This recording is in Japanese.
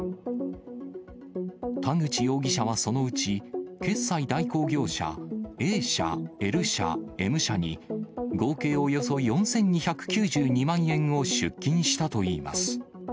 田口容疑者はそのうち、決済代行業者Ａ社、Ｌ社、Ｍ社に、合計およそ４２９２万円を出金したといいます。